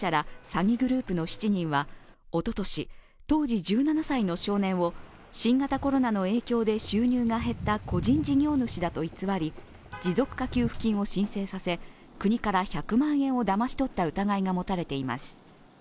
詐欺グループの７人はおととし当時１７歳の少年を新型コロナの影響で収入が減った個人事業主だと偽り、持続化給付金を申請させ国から１００万円をだまし取った疑いが持たれています。